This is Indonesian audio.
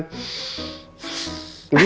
gitu dong gimana sih